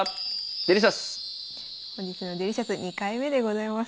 本日のデリシャス２回目でございます。